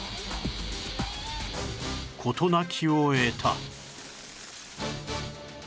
事なきを得た